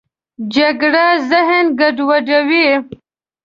جګړه ذهن ګډوډوي